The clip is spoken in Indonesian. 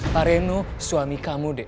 pak reno suami kamu deh